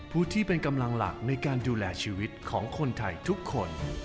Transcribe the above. ผู้ที่เป็นกำลังหลักในการดูแลชีวิตของคนไทยทุกคน